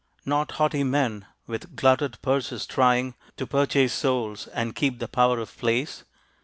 Not haughty men with glutted purses trying To purchase souls, and keep the power of place.